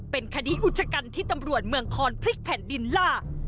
เป็นคดีอุจจกรรมที่ตำรวจเมืองคอนพลิกแผ่นดินล่า